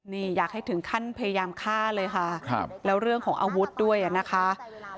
นี่อยากให้ถึงขั้นพยายามฆ่าเลยค่ะแล้วเรื่องของอาวุธด้วยอ่ะนะคะ